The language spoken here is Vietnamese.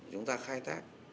chúng ta khai thác